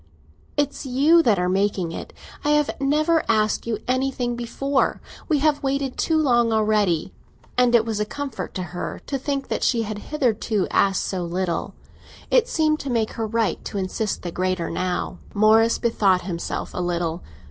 "It's you that are making it! I have never asked you anything before. We have waited too long already." And it was a comfort to her to think that she had hitherto asked so little; it seemed to make her right to insist the greater now. Morris bethought himself a little.